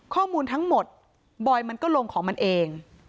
ข้อมูลทั้งหมดบอยมันก็ลงของมันเอง